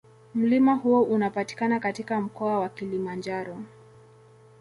Mlima huo unapatikana katika Mkoa wa Kilimanjaro.